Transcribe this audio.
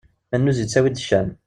Annuz yettawi-d ccan.